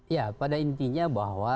ya pada intinya bahwa